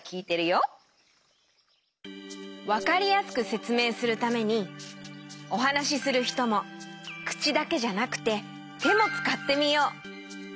わかりやすくせつめいするためにおはなしするひともくちだけじゃなくててもつかってみよう。